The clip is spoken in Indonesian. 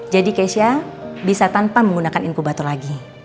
jadi keisha bisa tanpa menggunakan inkubator lagi